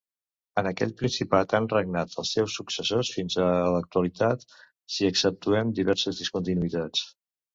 En aquell principat han regnat els seus successors fins a l'actualitat, si exceptuem diverses discontinuïtats.